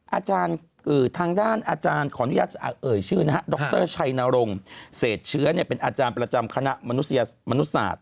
อาจารย์ทางด้านอาจารย์ของดรชัยนารงเสร็จเชื้อเป็นอาจารย์ประจำคณะมนุษยศาสตร์